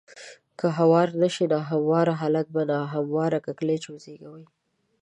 که هوار نه شي نا همواره حالات به نا همواره کړکېچ وزېږوي.